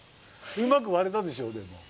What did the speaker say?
うまくわれたでしょでも。